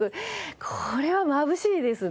これはまぶしいですね。